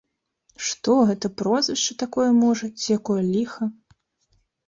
Што гэта, прозвішча такое можа, ці якое ліха?